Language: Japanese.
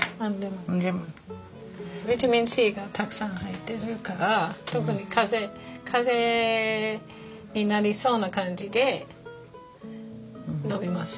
ビタミンＣがたくさん入ってるから特に風邪になりそうな感じで飲みますよね。